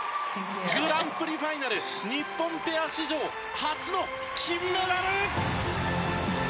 グランプリファイナル日本ペア史上初の金メダル！